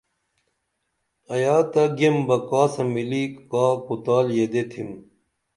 ایا تہ گیم بہ کاسہ ملی کا کُتال یدے تِھم